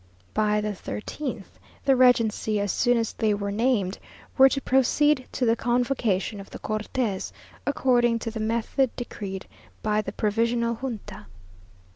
By the thirteenth, the regency, as soon as they were named, were to proceed to the convocation of the Cortes, according to the method decreed by the provisional Junta.